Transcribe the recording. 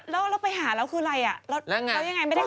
แล้วไปหาเราคืออะไรเรายังไงไม่ได้เข้าห้อง